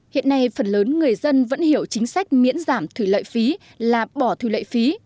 hiện nay phần lớn người dân vẫn hiểu chính sách miễn giảm thủy lợi phí là bỏ thu lệ phí